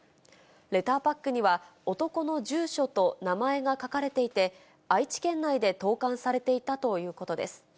レターパックには男の住所と名前が書かれていて、愛知県内で投かんされていたということです。